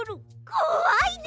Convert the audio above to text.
こわいね！